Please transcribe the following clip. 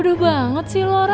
aigoo bodoh banget sih lora